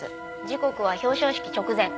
時刻は表彰式直前。